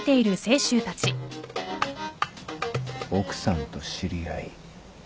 奥さんと知り合い。